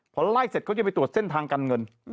พอไล่เสร็จเขาจะไปตรวจเส้นทางการเงิน